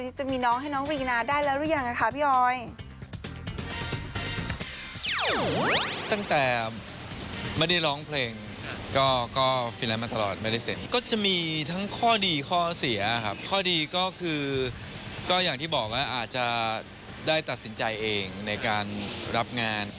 ตั้งแต่ไม่ได้ร้องเพลงก็ก็ฟินไลน์มาตลอดไม่ได้เสร็จก็จะมีทั้งข้อดีข้อเสียครับข้อดีก็คือก็อย่างที่บอกว่าอาจจะได้ตัดสินใจเองในการรับงาน